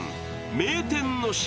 名店の塩